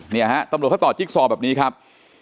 เนี่ยฮะตำรวจเขาต่อจิ๊กซอแบบนี้ครับ